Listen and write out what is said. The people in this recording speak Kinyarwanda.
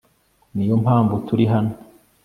ni yo mpamvu turi hano